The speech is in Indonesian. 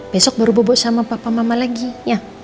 besok baru bubuk sama papa mama lagi ya